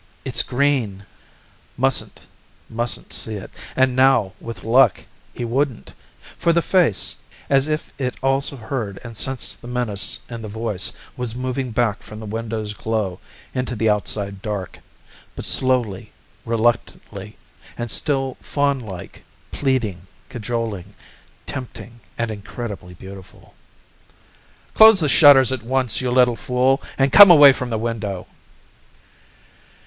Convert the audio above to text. "It's green." Mustn't, mustn't see it. And now, with luck, he wouldn't. For the face, as if it also heard and sensed the menace in the voice, was moving back from the window's glow into the outside dark, but slowly, reluctantly, and still faunlike, pleading, cajoling, tempting, and incredibly beautiful. "Close the shutters at once, you little fool, and come away from the window!"